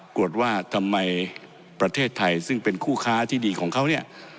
ตรวจว่าทำไมประเทศไทยซึ่งเป็นคู่ค้าที่ดีของเขาเนี่ย